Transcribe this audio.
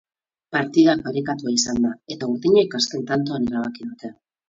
Partida parekatua izan da, eta urdinek azken tantoan erabaki dute.